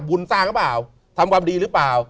สร้างหรือเปล่าทำความดีหรือเปล่า